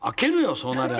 そうなりゃ。